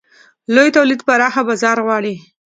لوی تولید پراخه بازار غواړي.